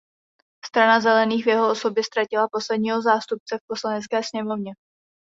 Strana zelených v jeho osobě ztratila posledního zástupce v poslanecké sněmovně.